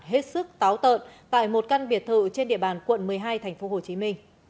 hết sức táo tợn tại một căn biệt thự trên địa bàn quận một mươi hai tp hcm